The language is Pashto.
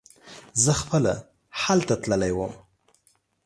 زه خپله هلته تللی وم.